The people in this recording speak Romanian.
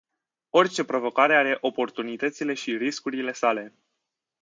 Orice provocare are oportunitățile și riscurile sale.